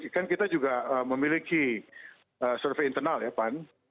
kan kita juga memiliki survei internal ya pan